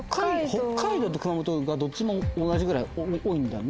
北海道と熊本がどっちも同じぐらい多いんだね。